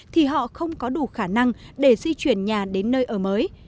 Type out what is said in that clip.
thì họ không có đủ khả năng để di chuyển nhà đến nơi ở mới